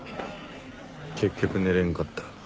結局寝れんかった。